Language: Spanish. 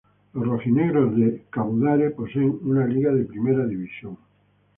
Los "rojinegros" de Cabudare poseen una Liga de Primera división.